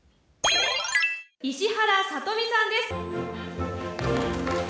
石原さとみさんです。